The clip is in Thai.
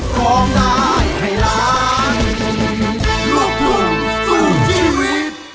ก็ไม่รู้ที่มันจะตาย